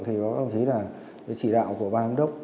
thì có một chí là chỉ đạo của bang đốc